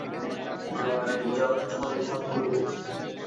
জোয়ারের জল ছল ছল করিতেছে।